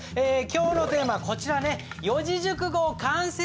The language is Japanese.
今日のテーマはこちらね。